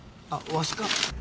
わしか。